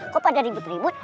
kok pada ribut ribut